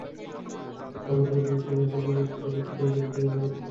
খাবার নিয়ে ঢুকতে বাধা দেওয়ায় অনেক পর্যটক নিরাপত্তাকর্মীদের সঙ্গে তর্কে জড়িয়ে পড়ছেন।